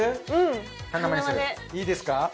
いいですね！